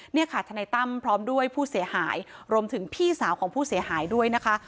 เนี่ยค่ะทนายตั้มพร้อมด้วยผู้เสียหายรวมถึงพี่สาวของผู้เสียหายด้วยนะคะ